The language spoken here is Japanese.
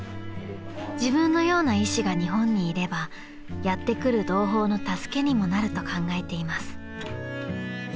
［自分のような医師が日本にいればやって来る同胞の助けにもなると考えています］